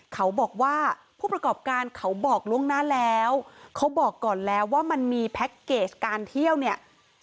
เขาบอกว่าผู้ประกอบการเขาบอกล่วงหน้าแล้วเขาบอกก่อนแล้วว่ามันมีแพ็คเกจการเที่ยวเนี่ย